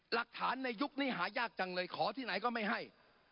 หลักฐานในยุคนี้หายากจังเลยขอที่ไหนก็ไม่ให้